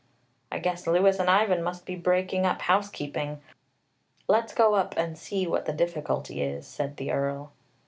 "I guess Louis and Ivan must be breaking up housekeeping. Let's go up and see what the difficulty is," said the Earl.